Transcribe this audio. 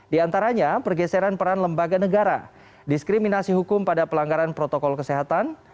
di antaranya pergeseran peran lembaga negara diskriminasi hukum pada pelanggaran protokol kesehatan